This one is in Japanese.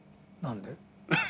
何で？